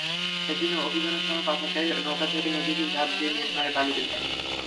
সেদিনও অভিযানের সময় পাচারকারীরা নৌকা থেকে নদীতে ঝাঁপ দিয়ে মিয়ানমারে পালিয়ে যায়।